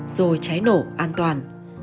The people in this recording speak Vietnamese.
rồi cháy nổ an toàn